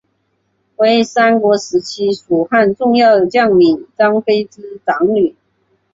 为三国时期蜀汉重要将领张飞之长女。